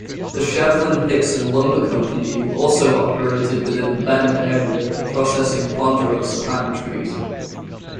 The Shevlin-Hixon Lumber Company also operated within the Bend area processing Ponderosa pine trees.